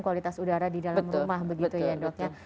kualitas udara di dalam rumah begitu ya dok ya